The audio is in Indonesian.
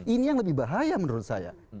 ini yang lebih bahaya menurut saya